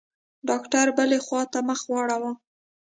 ډاکتر بلې خوا ته مخ واړاوه.